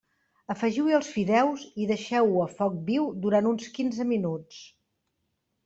Afegiu-hi els fideus i deixeu-ho a foc viu durant uns quinze minuts.